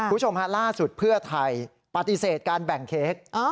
คุณผู้ชมฮะล่าสุดเพื่อไทยปฏิเสธการแบ่งเค้ก